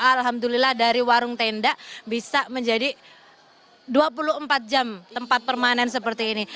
alhamdulillah dari warung tenda bisa menjadi dua puluh empat jam tempat permanen seperti ini